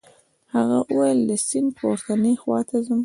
هغه وویل د سیند پورتنۍ خواته ځم.